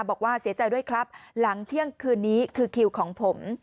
บอกว่าเสียใจด้วยครับหลังเที่ยงคืนนี้คือคิวของผม